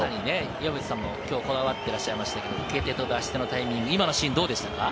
岩渕さんもこだわっていらっしゃいますが、受け手と出し手のタイミング、きょうどうでしたか？